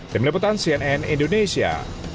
demi leputan cnn indonesia